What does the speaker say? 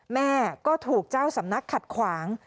แม่ก็ถูกเจ้าสำนักขัดขวาง